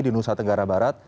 di nusa tenggara barat